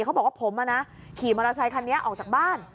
เขาบอกว่าผมขี่มอเตอร์ไซคันนี้ออกจากบ้าน